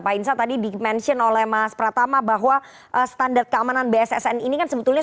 pak insa tadi di mention oleh mas pratama bahwa standar keamanan bssn ini kan sebetulnya